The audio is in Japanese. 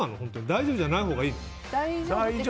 大丈夫じゃないほうがいいの？